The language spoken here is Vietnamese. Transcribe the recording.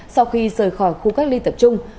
sau khi rời khỏi khu cách ly tập trung